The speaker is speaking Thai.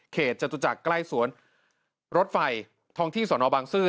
จตุจักรใกล้สวนรถไฟทองที่สนบางซื่อ